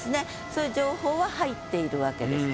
そういう情報は入っているわけです。